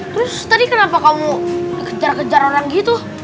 terus tadi kenapa kamu kejar kejar orang gitu